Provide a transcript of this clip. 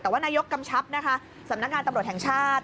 แต่ว่านายกกำชับนะคะสำนักงานตำรวจแห่งชาติ